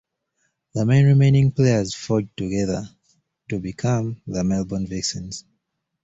The remaining players forged together to become the Melbourne Vixens.